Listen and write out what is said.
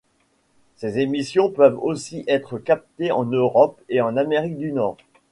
Ses émissions peuvent aussi être captées en Europe et en Amérique du Nord.